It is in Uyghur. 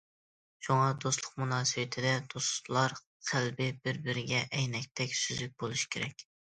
شۇڭا دوستلۇق مۇناسىۋىتىدە دوستلار قەلبى بىر- بىرىگە ئەينەكتەك سۈزۈك بولۇش كېرەك.